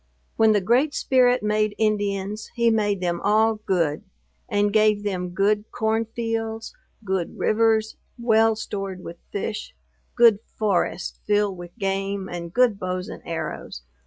When the Great Spirit made Indians, he made them all good, and gave them good corn fields; good rivers, well stored with fish; good forests, filled with game and good bows and arrows.